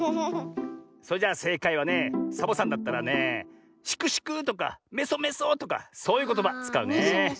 それじゃあせいかいはねサボさんだったらねシクシクとかメソメソとかそういうことばつかうね。